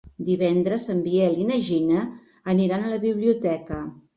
Divendres en Biel i na Gina aniran a la biblioteca.